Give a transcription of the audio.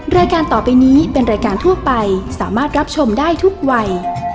รายการต่อไปนี้เป็นรายการทั่วไปสามารถรับชมได้ทุกวัย